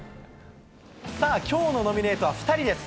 さあ、きょうのノミネートは２人です。